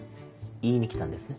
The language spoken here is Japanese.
言いに来たんですね？